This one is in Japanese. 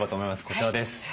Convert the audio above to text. こちらです。